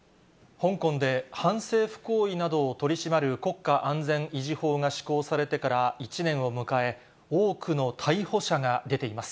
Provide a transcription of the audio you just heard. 香港で、反政府行為などを取り締まる国家安全維持法が施行されてから１年を迎え、多くの逮捕者が出ています。